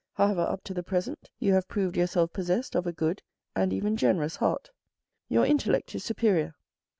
However, up to the present, you have proved yourself possessed of a good and even generous heart. Your intellect is superior.